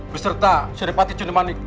berserta seri pati juno manik